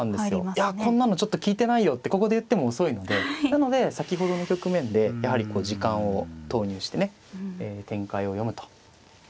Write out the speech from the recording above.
いやこんなのちょっと聞いてないよってここで言っても遅いのでなので先ほどの局面でやはり時間を投入してね展開を読むと。